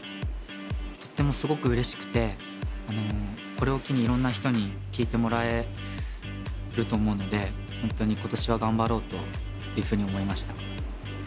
とってもすごくうれしくてこれを機にいろんな人に聴いてもらえると思うのでホントにことしは頑張ろうと思いました。